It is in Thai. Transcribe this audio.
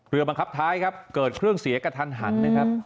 บังคับท้ายครับเกิดเครื่องเสียกระทันหันนะครับ